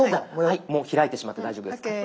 もう開いてしまって大丈夫です。ＯＫ！